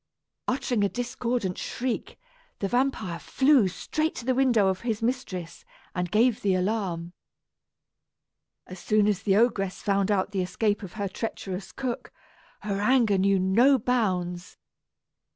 Uttering a discordant shriek, the vampire flew straight to the window of his mistress, and gave the alarm. As soon as the ogress found out the escape of her treacherous cook, her anger knew no bounds.